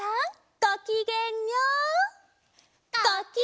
ごきげんよう！